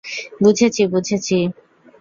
বুঝেছি, বুঝেছি।